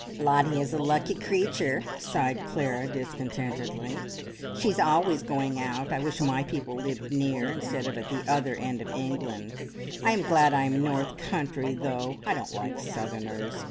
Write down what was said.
"Lottie is a lucky creature!" sighed Clara discontentedly. "She is always going out. I wish my people lived near, instead of at the other end of England. I am glad I am North Country, though; I don't like Southerners!